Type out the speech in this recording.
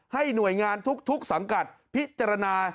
ให้หน่วยงานทุกสังกัดพิจารณา